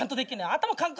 頭の感覚